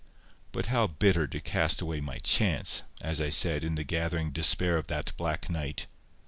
But how bitter to cast away my CHANCE! as I said, in the gathering despair of that black night.